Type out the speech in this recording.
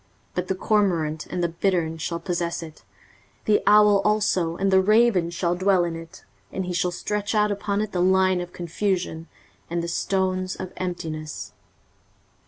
23:034:011 But the cormorant and the bittern shall possess it; the owl also and the raven shall dwell in it: and he shall stretch out upon it the line of confusion, and the stones of emptiness.